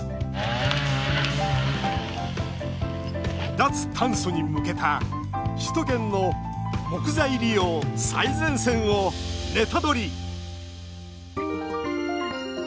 脱炭素に向けた首都圏の木材利用最前線をネタドリ！